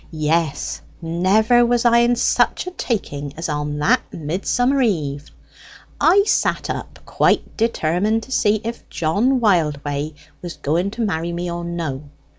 "Yes; never was I in such a taking as on that Midsummer eve! I sat up, quite determined to see if John Wildway was going to marry me or no.